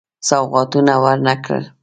سوغاتونه ورنه کړل.